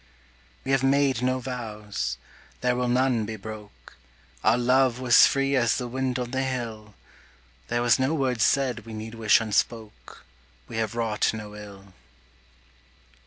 We have made no vows there will none be broke, Our love was free as the wind on the hill, There was no word said we need wish unspoke, We have wrought no ill.